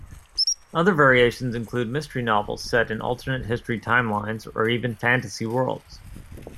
Other variations include mystery novels set in alternate history timelines or even fantasy worlds.